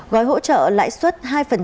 gói hỗ trợ lãi suất hai